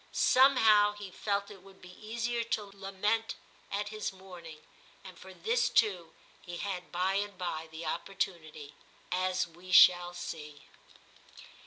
Somehow he felt it would be easier to lament at his mourning ; and for this too he had by and by the opportunity, as we shall see.